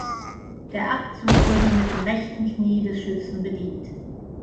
Der Abzug wurde mit dem rechten Knie des Schützen bedient.